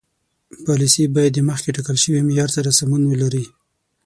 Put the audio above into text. پالیسي باید د مخکې ټاکل شوي معیار سره سمون ولري.